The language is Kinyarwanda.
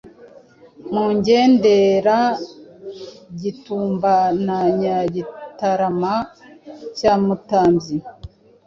Mugendera- Gitumba na Nyagitarama cya Mutambyi,